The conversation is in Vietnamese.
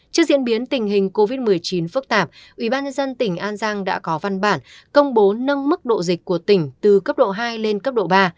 trước diễn biến tình hình covid một mươi chín phức tạp ubnd tỉnh an giang đã có văn bản công bố nâng mức độ dịch của tỉnh từ cấp độ hai lên cấp độ ba